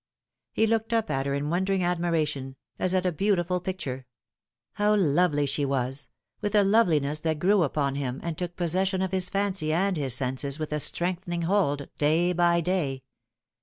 He looked up at her in wondering admiration, as at a beau tiful picture. How lovely she was, with a loveliness that grew upon him, and took possession of his fancy and his senses with a strengthening hold day by day.